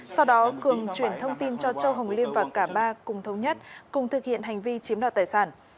sau đó cường chuyển thông tin cho châu hồng liêm và cả ba cùng thống nhất cùng thực hiện hành vi chiếm đoạt tài sản